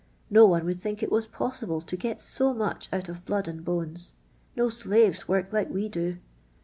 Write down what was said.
No one would think it was possible to get so much out of blood and bones. No slaves work like we do.